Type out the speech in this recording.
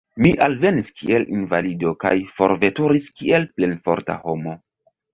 Mi alvenis kiel invalido kaj forveturis kiel plenforta homo.